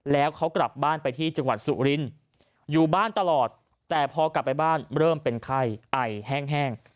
แล้วเขากลับบ้านไปที่จังหวัดสุรินทร์อยู่บ้านตลอดแต่พอกลับไปบ้านเริ่มเป็นไข้ไอแห้ง